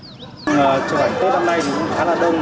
chụp ảnh tết năm nay thì cũng khá là đông